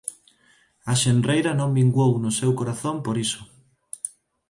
A xenreira non minguou no seu corazón por iso.